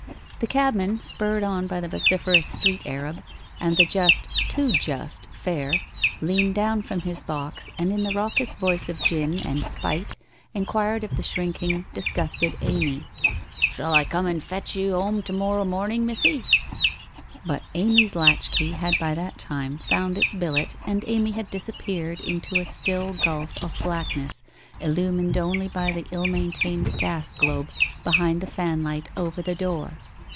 The cab man, spurred on by the vociferous street Arab, and the just — too just — fare, leaned down from his box, and in the raucous voice of gin and spite, enquired of the shrink ing, disgusted Amy: * Shall I come and fetch you 'ome to morrow morning, missie?' But Amy's latchkey had by that time found its billet and Amy had disappeared into a still gulf of black ness illumined only by the ill maintained gas globe be hind the fanlight over the door.